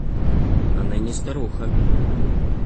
Она не старуха.